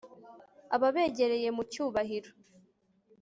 Ababegereye mu cyubahiro